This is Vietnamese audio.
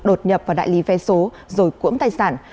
đột nhập vào đại lý vé số rồi cưỡng tài sản